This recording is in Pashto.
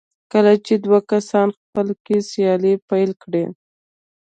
کله چې دوه کسان خپله کې سیالي پيل کړي.